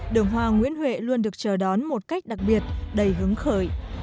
đường hoa nguyễn huệ luôn được chờ đón một cách đặc biệt đầy hứng khởi